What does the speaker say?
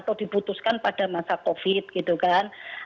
atau diputuskan pada masa covid gitu kan